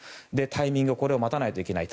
タイミングを待たないといけない。